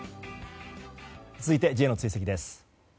続いてＪの追跡です。